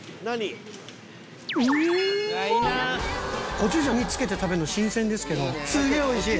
コチュジャンにつけて食べるの新鮮ですけどすげぇおいしい。